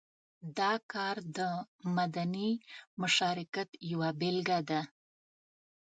دا کار د مدني مشارکت یوه بېلګه ده.